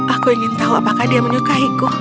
aku ingin tahu apakah dia menyukaiku